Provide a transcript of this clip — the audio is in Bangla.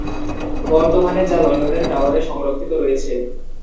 বর্তমানে যা লন্ডনের টাওয়ারে সংরক্ষিত রয়েছে।